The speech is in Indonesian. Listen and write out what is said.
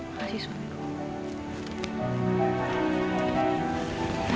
terima kasih suami bu